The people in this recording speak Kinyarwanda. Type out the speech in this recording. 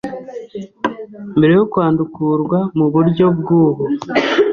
mbere yo kwandukurwa muburyo bwubu